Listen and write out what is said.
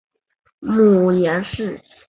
母颜氏。